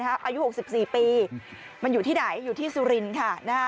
อายุ๖๔ปีมันอยู่ที่ไหนอยู่ที่สุรินทร์ค่ะ